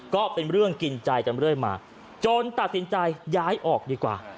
ก็เป็นเรื่องกินใจกันเรื่อยมาจนตัดสินใจย้ายออกดีกว่า